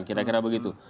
kita kira begitu